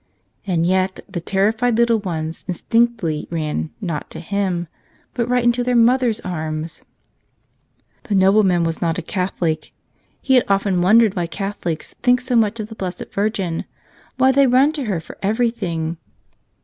And yet the terrified little ones instinctly ran, not to him, but right into their mother's arms ! "The nobleman was not a Catholic. He had often wondered why Catholics think so much of the Blessed Virgin, why they run to her for everything.